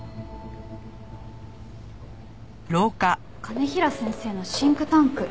兼平先生のシンクタンク？